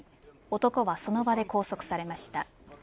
男はその場で拘束されました。